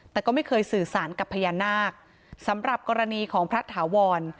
แต่ก็ไม่เคยสื่อสารกับพญานาคสำหรับกรณีของพระถาวร